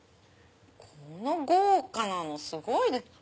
この豪華なのすごい！